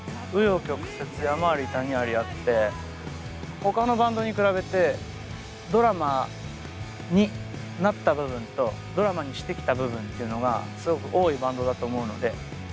う余曲折山あり谷ありあってほかのバンドに比べてドラマになった部分とドラマにしてきた部分というのがすごく多いバンドだと思うので。